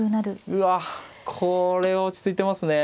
うわっこれは落ち着いてますね。